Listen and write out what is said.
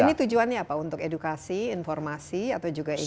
ini tujuannya apa untuk edukasi informasi atau juga informasi